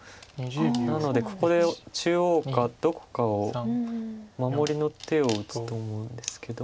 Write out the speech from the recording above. なのでここで中央かどこかを守りの手を打つと思うんですけど。